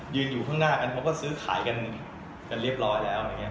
ยืนอยู่ข้างหน้ากันเขาก็ซื้อขายกันเรียบร้อยแล้ว